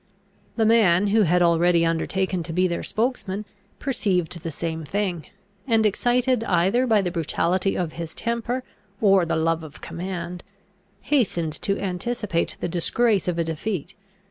The man, who had already undertaken to be their spokesman, perceived the same thing; and, excited either by the brutality of his temper or the love of command, hastened to anticipate the disgrace of a defeat.